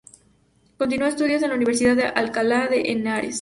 Continuó estudios en la Universidad de Alcalá de Henares.